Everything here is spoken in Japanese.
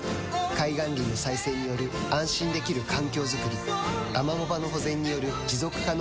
海岸林の再生による安心できる環境づくりアマモ場の保全による持続可能な海づくり